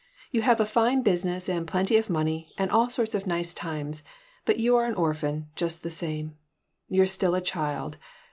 You have a fine business and plenty of money and all sorts of nice times, but you are an orphan, just the same. You're still a child.